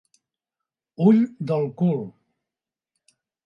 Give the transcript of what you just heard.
Ull del cul.